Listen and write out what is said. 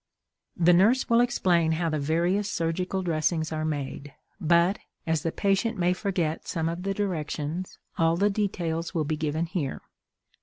The nurse will explain how the various surgical dressings are made, but, as the patient may forget some of the directions, all the details will be given here.